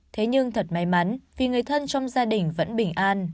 thế nhưng thật may mắn vì người thân trong gia đình vẫn bình an